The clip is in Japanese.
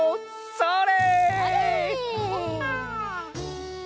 それ！